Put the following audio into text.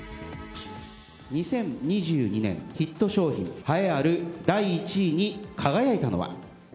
２０２２年ヒット商品、栄えある第１位に輝いたのは。